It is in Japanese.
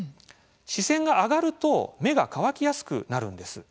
視線が上がると目が乾きやすくなるんです。